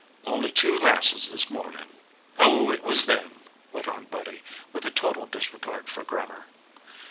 "Only two glasses, this morning. Oh, it was them," went on Buddy, with a total disregard for grammar.